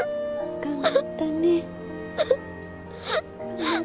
頑張ったね。